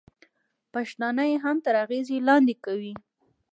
پښتانه یې هم تر اغېزې لاندې کولای.